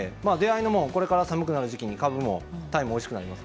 これから寒くなる時期にかぶも鯛もおいしくなります。